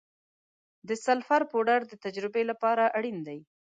د سلفر پوډر د تجربې لپاره اړین دی.